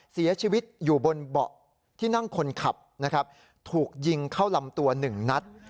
เสียชีวิตอยู่บนเบาะที่นั่งคนขับนะครับถูกยิงเข้าลำตัวหนึ่งนัด